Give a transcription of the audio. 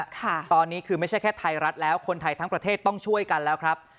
ค่ะตอนนี้คือไม่ใช่แค่ไทยรัฐแล้วคนไทยทั้งประเทศต้องช่วยกันแล้วครับ